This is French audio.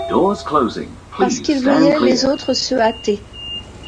Parce qu’il voyait les autres se hâter.